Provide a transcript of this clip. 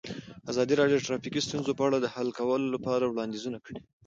ازادي راډیو د ټرافیکي ستونزې په اړه د حل کولو لپاره وړاندیزونه کړي.